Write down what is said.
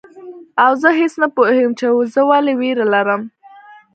او زه هیڅ نه پوهیږم چي زه ولي ویره لرم